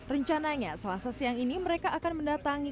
rencananya selasa siang ini mereka akan mendatangi